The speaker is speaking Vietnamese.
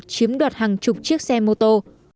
chiếm đoạt hàng chục chiếc xe mô tô